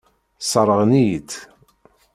Sseṛɣen-iyi-tt.